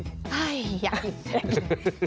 อยากกิน